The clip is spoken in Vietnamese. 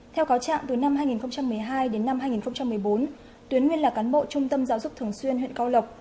theo cáo trạng từ năm hai nghìn một mươi hai đến năm hai nghìn một mươi bốn tuyến nguyên là cán bộ trung tâm giáo dục thường xuyên huyện cao lộc